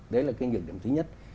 đấy là cái nhược điểm thứ nhất